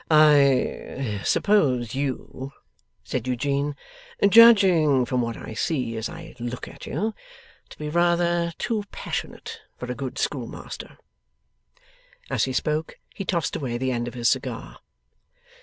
'I suppose you,' said Eugene, 'judging from what I see as I look at you, to be rather too passionate for a good schoolmaster.' As he spoke, he tossed away the end of his cigar.